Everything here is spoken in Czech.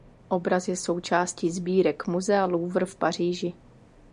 Obraz je součástí sbírek muzea Louvre v Paříži.